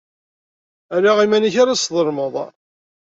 Ala iman-nnek ara tesḍelmeḍ.